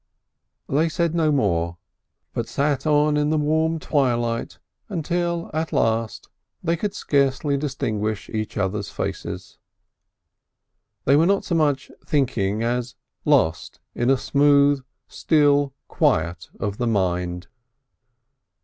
They said no more, but sat on in the warm twilight until at last they could scarcely distinguish each other's faces. They were not so much thinking as lost in a smooth, still quiet of the mind.